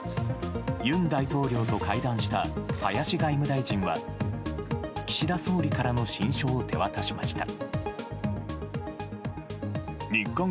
尹大統領と会談した林外務大臣は岸田総理からの親書を手渡しました。